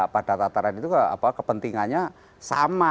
pada tataran itu kepentingannya sama